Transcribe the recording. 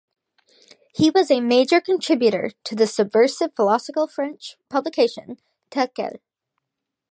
He was a major contributor to the subversive, philosophical French publication "Tel Quel".